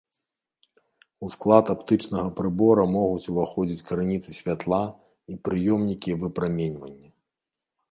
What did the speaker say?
У склад аптычнага прыбора могуць уваходзіць крыніцы святла і прыёмнікі выпраменьвання.